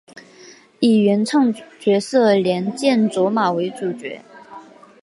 以原创角色莲见琢马为主角。